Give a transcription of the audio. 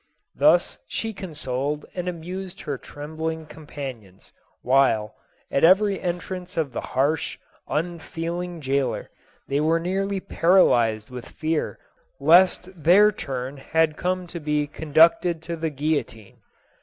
Thus she consoled and amused her trembling companions, while, at every entrance of the harsh, unfeeling jailer, they were nearly paralyzed with fear lest their turn had come to be conducted to the guillotine.